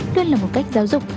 đơn là một cách giáo dục